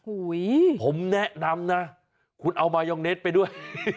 ผมแนะนำนะคุณเอามายองเน็ตไปด้วย